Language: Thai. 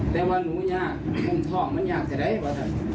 แต่ว่าหนูยากมันฮ่องมันยากเดี๋ยวไหนบ่ะท่าน